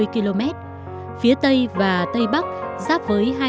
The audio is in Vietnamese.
xin chào và hẹn gặp lại